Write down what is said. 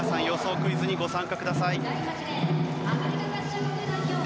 クイズにご参加ください。